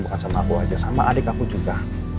bukan sama aku aja sama adik aku juga